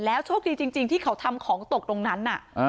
โชคดีจริงที่เขาทำของตกตรงนั้น